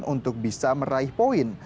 untuk bisa meraih poin